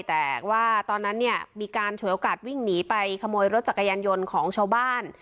แต่ว่าตอนนั้นเนี่ยมีการฉวยโอกาสวิ่งหนีไปขโมยรถจักรยานยนต์ของชาวบ้าน